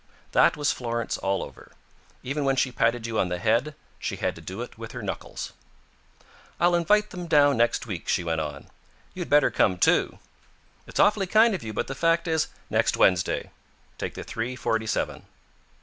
That was Florence all over. Even when she patted you on the head, she had to do it with her knuckles. "I will invite them down next week," she went on. "You had better come, too." "It's awfully kind of you, but the fact is " "Next Wednesday. Take the three forty seven."